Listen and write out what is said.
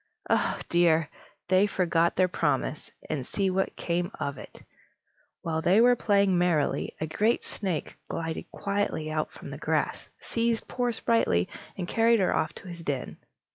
Oh dear! they forgot their promise, and see what came of it! While they were playing merrily, a great snake glided quietly out from the grass, seized poor Sprightly, and carried her off to his den.